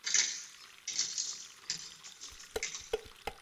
氯化铽可以形成无水物和六水合物。